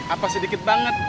apa sedikit banget